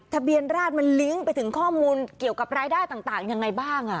ทะเบียนราชมันลิงก์ไปถึงข้อมูลเกี่ยวกับรายได้ต่างยังไงบ้าง